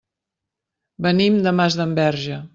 Venim de Masdenverge.